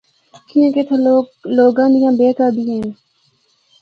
کیانکہ اِتھا لوگاں دیاں بہکاں بھی ہن۔